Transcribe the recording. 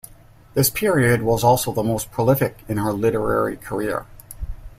This period was also the most prolific in her literary career.